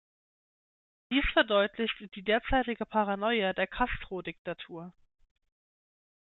Dies verdeutlicht die derzeitige Paranoia der Castro-Diktatur.